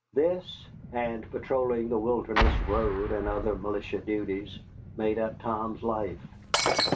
This, and patrolling the Wilderness Road and other militia duties, made up Tom's life.